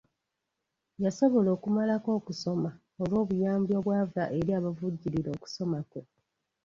Yasobola okumalako okusoma olw'obuyambi obwava eri abavujjirira okusoma kwe.